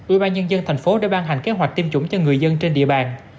ubnd tp đã ban hành kế hoạch tiêm chủng cho người dân trên địa bàn